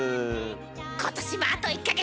今年もあと１か月。